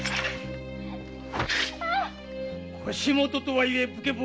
腰元とはいえ武家奉公。